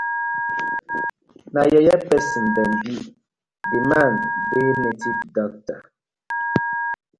Na yeye pesin dem bi, di man dey native dokta.